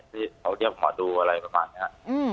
ที่เขาเรียกหมอดูอะไรประมาณนี้